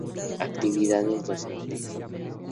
Actividades Docentes.